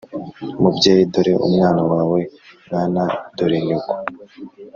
“mubyeyi dore umwana wawe, mwana dorenyoko”